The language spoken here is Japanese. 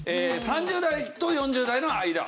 ３０代と４０代の間。